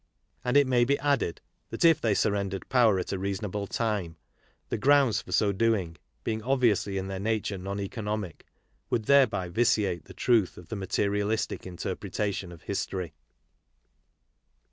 And it may be added that if they surrendered power at a reasonable time, the grounds for so doing, being obviously in their KARL MARX 43 nature non economic, would thereby vitiate the truth of the materialistic interpretation of history.